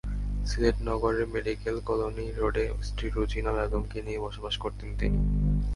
সিলেট নগরের medical colony রোডে স্ত্রী রুজিনা বেগমকে নিয়ে বসবাস করতেন তিনি।